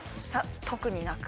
特になく。